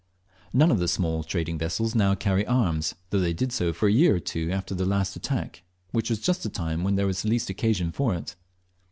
None of the small trading vessels now carry arms, though they did so for a year or two after the last attack, which was just the time when there was the least occasion for it.